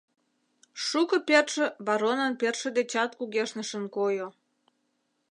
Шуко пӧртшӧ баронын пӧртшӧ дечат кугешнышын койо.